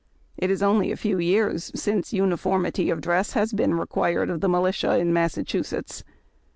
It is only a few years since uniformity of dress has been re quired of the militia in Massachusetts.